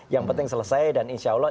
yang penting selesai dan insya allah